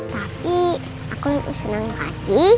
tapi aku seneng sama aci